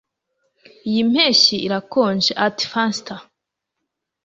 Iyi mpeshyi irakonje (Artfanster)